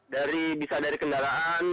dari bisa dari kendaraan